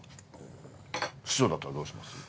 師匠だったらどうします？